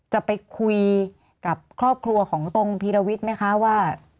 จะไปคุยกับครอบครัวของตรงพีรวิทย์ไหมคะว่า